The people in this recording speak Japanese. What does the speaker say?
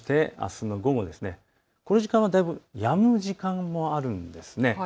そしてあすの午後、この時間はだいぶやむ時間もあるんです。